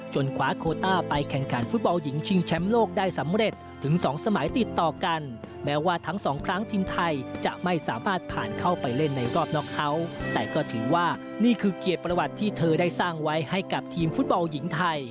จนขวาโคต้าไปแข่งขันฟุตบอลหญิงชิงแชมป์โลกได้สำเร็จถึงสองสมัยติดต่อกัน